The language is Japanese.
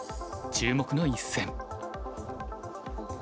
注目の一戦。